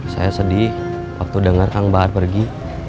saya sedih waktu dengar kang bahar pergi